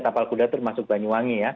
tapal kuda termasuk banyuwangi ya